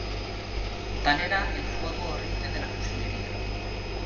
Tal era el fuego horrible de la fusilería.